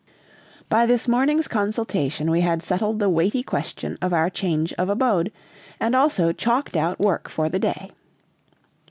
By this morning's consultation we had settled the weighty question of our change of abode, and also chalked out work for the day.